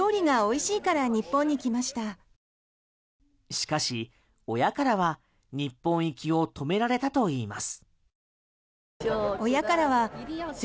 しかし親からは日本行きを止められたといいます。